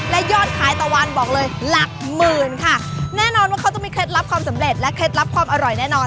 และยอดขายตะวันบอกเลยหลักหมื่นค่ะแน่นอนว่าเขาจะมีเคล็ดลับความสำเร็จและเคล็ดลับความอร่อยแน่นอน